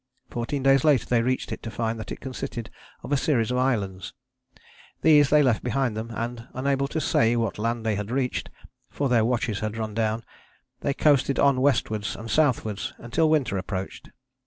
Fourteen days later they reached it to find that it consisted of a series of islands. These they left behind them and, unable to say what land they had reached, for their watches had run down, they coasted on westwards and southwards until winter approached.